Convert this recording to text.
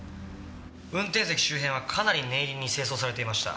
運転席周辺はかなり念入りに清掃されていました。